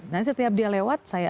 nah setiap dia lewat saya